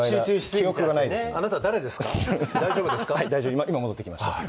今戻ってきました。